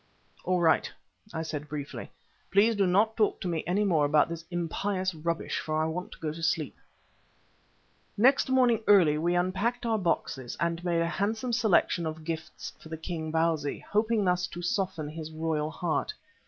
"All right," I said briefly. "Please do not talk to me any more about this impious rubbish, for I want to go to sleep." Next morning early we unpacked our boxes and made a handsome selection of gifts for the king, Bausi, hoping thus to soften his royal heart.